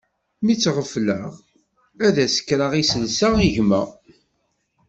Mi tt-sɣefleɣ ad d-akreɣ iselsa i gma.